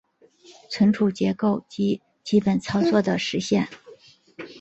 存储结构及基本操作的实现